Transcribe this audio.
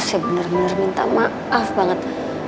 saya benar benar minta maaf banget